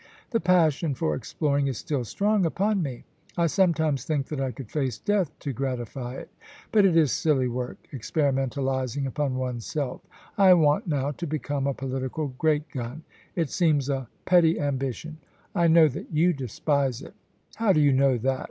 The passion for exploring is still strong upon me. I sometimes think that I could face death to gratify it But it is silly work experimentalising upon one's selfl I want now to become a political great gun — it seems a petty ambition — I know that you despise it '* How do you know that